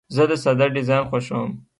زه د ساده ډیزاین خوښوم.